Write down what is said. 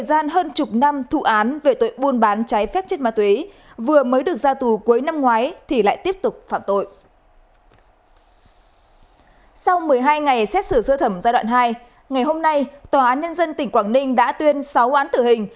sau một mươi hai ngày xét xử sơ thẩm giai đoạn hai ngày hôm nay tòa án nhân dân tỉnh quảng ninh đã tuyên sáu án tử hình